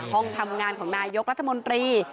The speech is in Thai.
ห้องทำงานของนายกรัฐมนตรี